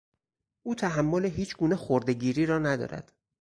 او تحمل هیچگونه خرده گیری را ندارد.